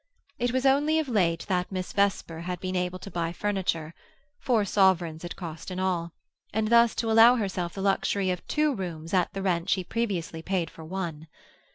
It was only of late that Miss Vesper had been able to buy furniture (four sovereigns it cost in all), and thus to allow herself the luxury of two rooms at the rent she previously paid for one.